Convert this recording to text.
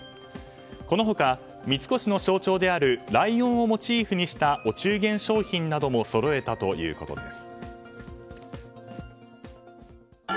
この他、三越の象徴であるライオンをモチーフにしたお中元商品などもそろえたということです。